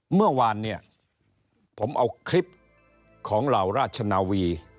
เมื่อวานเนี่ยผมเอาคลิปของเหล่าราชนาวี